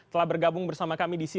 telah bergabung bersama kami di sini